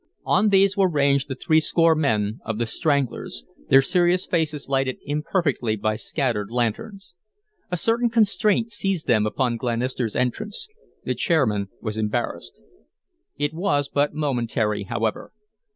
On these were ranged the threescore men of the "Stranglers," their serious faces lighted imperfectly by scattered lanterns. A certain constraint seized them upon Glenister's entrance; the chairman was embarrassed. It was but momentary, however.